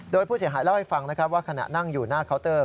โดยผู้เสียหายเล่าให้ฟังนะครับว่าขณะนั่งอยู่หน้าเคาน์เตอร์